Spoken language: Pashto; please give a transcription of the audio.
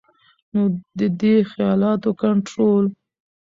نو د دې خيالاتو کنټرول